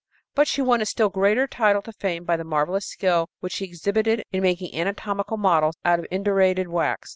But she won a still greater title to fame by the marvelous skill which she exhibited in making anatomical models out of indurated wax.